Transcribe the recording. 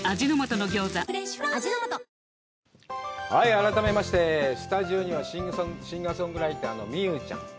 改めまして、スタジオにはシンガーソングライターのＭｉｙｕｕちゃん。